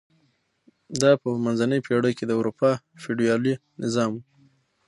دا په منځنۍ پېړۍ کې د اروپا فیوډالي نظام و.